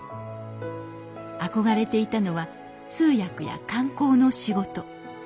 憧れていたのは通訳や観光の仕事。